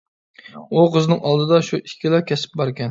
ئۇ قىزنىڭ ئالدىدا شۇ ئىككىلا كەسىپ باركەن.